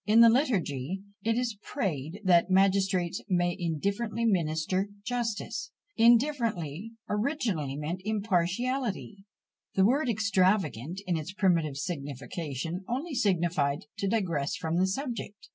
In the Liturgy it is prayed that "magistrates may indifferently minister justice." Indifferently originally meant impartially. The word extravagant, in its primitive signification, only signified to digress from the subject.